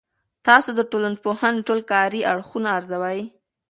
تاسو د ټولنپوهنې ټول کاري اړخونه ارزوي؟